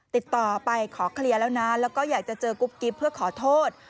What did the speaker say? ติดต่อไปขอเคลียร์แล้วนะแล้วก็อยากจะเจอกุ๊บกิ๊บเพื่อขอโทษ